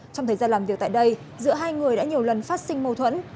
trong thời gian làm việc tại đây giữa hai người đã nhiều lần phát sinh mâu thuẫn